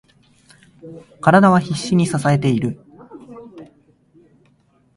体は必死に支えている。